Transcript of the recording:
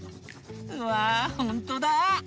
うわほんとだ！